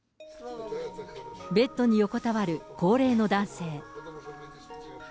ベッドに横たわる高齢の男性。